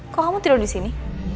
kok kamu tidur di sini